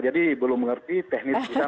jadi belum mengerti teknis di sana